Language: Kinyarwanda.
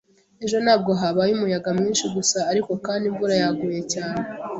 Ejo ntabwo habaye umuyaga mwinshi gusa, ariko kandi imvura yaguye cyane.